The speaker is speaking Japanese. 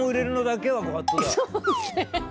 そうっすね。